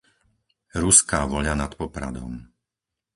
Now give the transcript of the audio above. Ruská Voľa nad Popradom